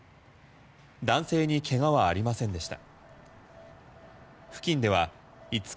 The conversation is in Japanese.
男性に怪我はありませんでした。